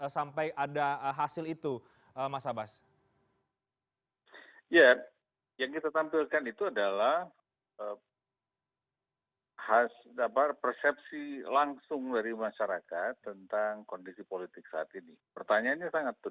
sampai ada hasil itu mas abbas